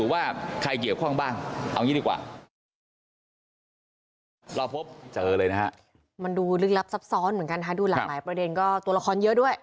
มันดูลึกลับซับซ้อนเหมือนกันค่ะดูหลากหลายประเด็นก็ตัวละครเยอะด้วย